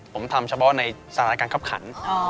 ผมทำเฉพาะในสถานการณ์คับขัน